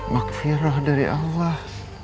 makfirah dari allah